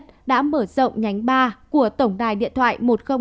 hà nội đã mở rộng nhánh ba của tổng đài điện thoại một nghìn hai mươi hai